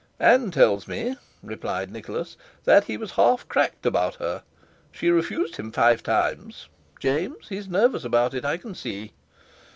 "Ann tells me," replied Nicholas, "he was half cracked about her. She refused him five times. James, he's nervous about it, I can see."